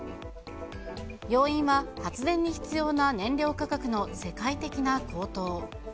要因は、発電に必要な燃料価格の世界的な高騰。